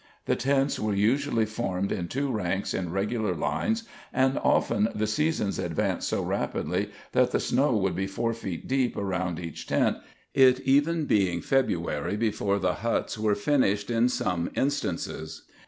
The tents were usually formed in two ranks in regular lines and often the seasons advanced so rapidly that the snow would be four feet deep around each tent, it even being February before the huts were finished in some instances.